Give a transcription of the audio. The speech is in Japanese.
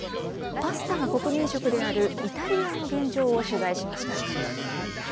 パスタが国民食であるイタリアの現状を取材しました。